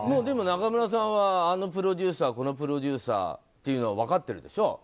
でも中村さんはあのプロデューサーこのプロデューサーっていうのは分かってるでしょ、